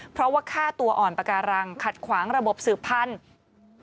เพราะว่าฆ่าตัวอ่อนปาการังขัดขวางระบบสืบพันธุ์